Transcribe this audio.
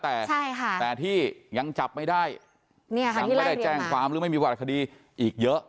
แต่ที่ยังจับไม่ได้ยังไม่ได้แจ้งความหรือไม่มีประวัติคดีอีกเยอะ